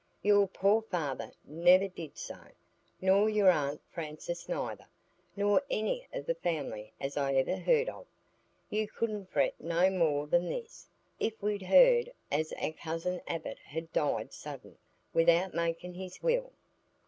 Your poor father never did so, nor your aunt Frances neither, nor any o' the family as I ever heard of. You couldn't fret no more than this, if we'd heared as our cousin Abbott had died sudden without making his will."